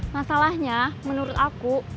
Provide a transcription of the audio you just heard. masalahnya menurut aku